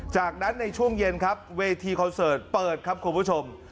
จากนั้นในช่วงเย็นครับเวทีคอนเสิร์ตเปิดครับคุณผู้ชม